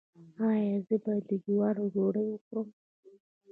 ایا زه باید د جوارو ډوډۍ وخورم؟